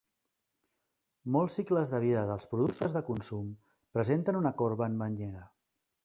Molts cicles de vida dels productes de consum presenten una corba en banyera.